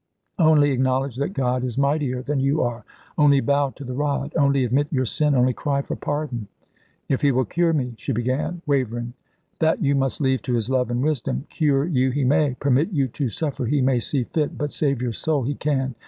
Only acknowledge that God is mightier than you are; only bow to the rod, only admit your sin, only cry for pardon." "If He will cure me " she began, wavering. "That you must leave to His love and wisdom. Cure you He may; permit you to suffer, He may see fit. But save your soul, He can.